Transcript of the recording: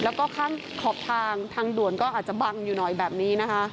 แล้วก็ข้างขอบทางทางด่วนก็อาจจะบังอยู่หน่อยแบบนี้นะคะ